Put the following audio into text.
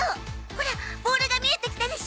ほらボールが見えてきたでしょ？